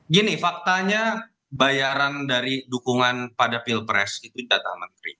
gini faktanya bayaran dari dukungan pada pilpres itu jatah menteri